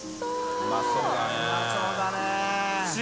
うまそうだね。